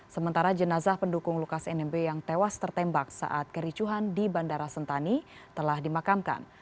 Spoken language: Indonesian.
sementara jenazah pendukung lukas nmb yang tewas tertembak saat kericuhan di bandara sentani telah dimakamkan